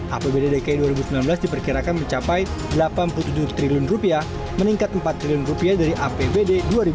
apbd dki dua ribu sembilan belas diperkirakan mencapai rp delapan puluh tujuh triliun meningkat empat triliun rupiah dari apbd dua ribu dua puluh